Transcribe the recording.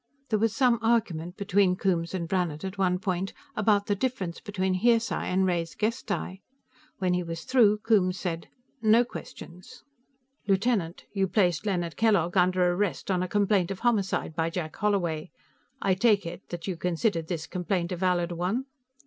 There was some argument between Coombes and Brannhard, at one point, about the difference between hearsay and res gestae. When he was through, Coombes said, "No questions." "Lieutenant, you placed Leonard Kellogg under arrest on a complaint of homicide by Jack Holloway. I take it that you considered this complaint a valid one?"